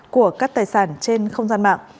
của các tài sản trên không gian mạng